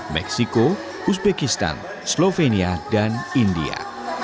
meksiko uzbekistan slovenia dan india